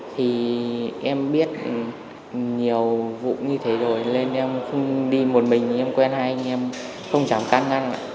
thì em biết nhiều vụ như thế rồi lên em không đi một mình em quen hai anh em không dám can ngăn